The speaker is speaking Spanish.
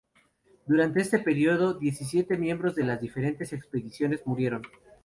Durante este período diecisiete miembros de las diferentes expediciones murieron.